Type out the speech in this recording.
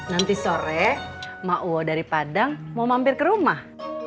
nanti sore ⁇ maowo dari padang mau mampir ke rumah